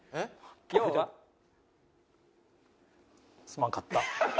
すまんかった。